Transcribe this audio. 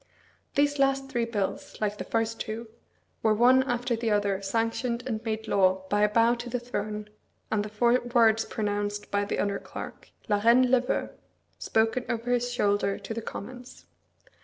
These last three bills, like the first two, were one after the other sanctioned and made law by a bow to the throne, and the four words pronounced by the under clerk, "la Reine le veut," spoken over his shoulder to the Commons.